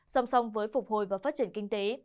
song song với phục hồi và phát triển kinh tế